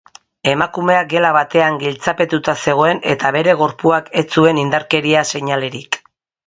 Emakumea gela batean giltzapetuta zegoen eta bere gorpuak ez zuen indarkeria seinalerik.